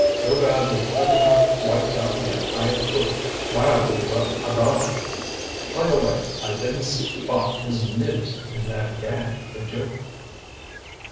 Too bad we couldn't have wiped out the entire crew while we were about it. By the way, I didn't spot His Nibs in that gang, did you?"